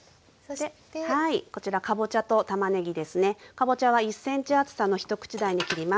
かぼちゃは１ｃｍ厚さの一口大に切ります。